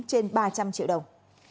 trên ba trăm linh triệu đồng